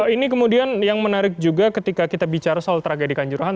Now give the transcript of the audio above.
ini kemudian yang menarik juga ketika kita bicara soal tragedi kanjuruhan